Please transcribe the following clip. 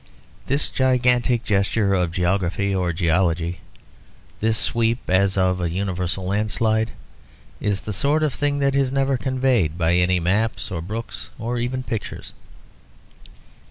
This gigantic gesture of geography or geology, this sweep as of a universal landslide, is the sort of thing that is never conveyed by any maps or books or even pictures.